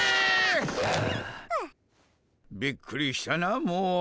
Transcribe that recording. びっくりしたなもう。